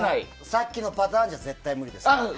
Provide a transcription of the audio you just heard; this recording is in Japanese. さっきのパターンじゃ絶対無理です。